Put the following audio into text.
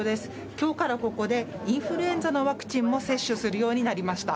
きょうからここでインフルエンザのワクチンも接種するようになりました。